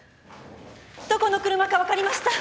どこの車か分かりました。